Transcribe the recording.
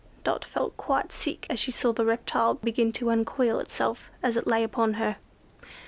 Dot felt quite sick, as she saw the reptile begin to uncoil itself, as it lay upon her.